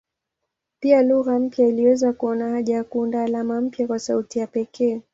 Pia lugha mpya iliweza kuona haja ya kuunda alama mpya kwa sauti ya pekee.